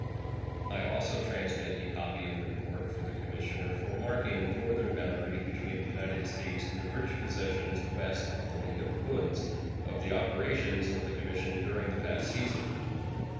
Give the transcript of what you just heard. I also transmit a copy of the report of the commissioner for marking the northern boundary between the United States and the British possessions west of the Lake of the Woods, of the operations of the commission during the past season.